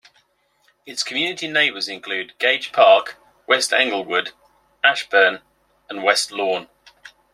Its community neighbors include Gage Park, West Englewood, Ashburn, and West Lawn.